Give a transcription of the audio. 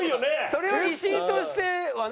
それは石井としてはね。